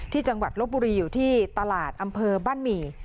จังหวัดลบบุรีอยู่ที่ตลาดอำเภอบ้านหมี่